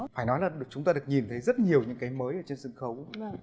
phải nói là chúng ta được nhìn thấy rất nhiều những cái mới ở trên sân khấu